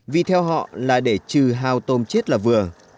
vì theo họ là để trừ hao tôm chết là vừa